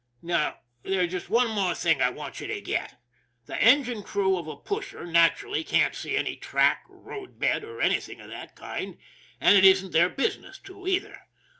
Now, there's just one more thing I want you to get. The engine crew of a pusher naturally can't see any track, road bed, or anything of that kind, and it isn't their business to, either.